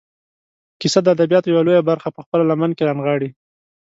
کیسه د ادبیاتو یوه لویه برخه په خپله لمن کې رانغاړي.